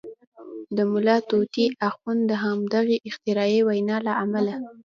د ملا طوطي اخند د همدغې اختراعي وینا له امله.